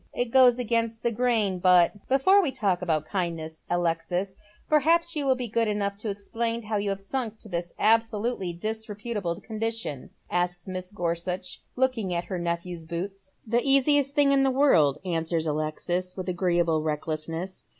It goes against the grain, but "" Before we talk about kindnesses, Alexis, perhaps you will be good enough to explain how you have sunk to this absolutely disreputable condition ?" asked Mrs. Gorsuch, looking at her nephew's boots. " The easiest thing in the world," answers Alexis, with agreeable recldessness.